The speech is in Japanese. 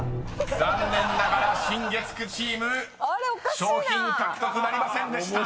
［残念ながら新月９チーム賞品獲得なりませんでした］